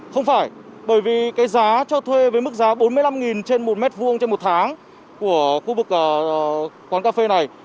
không phải bởi vì cái giá cho thuê với mức giá bốn mươi năm trên một m hai trên một tháng của khu vực quán cà phê này